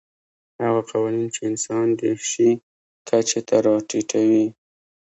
هغه قوانین چې انسان د شي کچې ته راټیټوي.